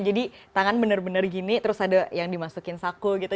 jadi tangan bener bener gini terus ada yang dimasukin saku gitu